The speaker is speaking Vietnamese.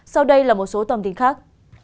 sau đây là một số tổng tin khác